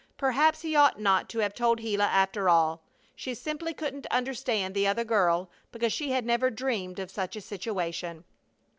Perhaps he ought not to have told Gila, after all. She simply couldn't understand the other girl because she had never dreamed of such a situation.